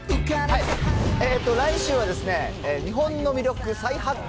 来週はニッポンの魅力再発見